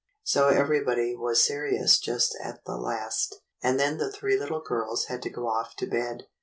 So everybody was serious just at the last; and then the three little girls had to go off to bed.